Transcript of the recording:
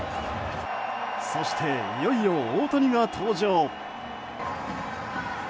そして、いよいよ大谷が登場。